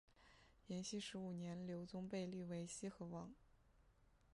延熙十五年刘琮被立为西河王。